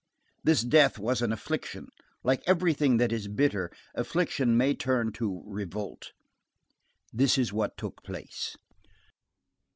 This death was an affliction. Like everything that is bitter, affliction may turn to revolt. This is what took place.